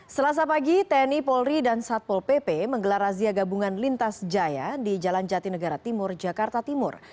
selasa pagi tni polri dan satpol pp menggelar razia gabungan lintas jaya di jalan jati negara timur jakarta timur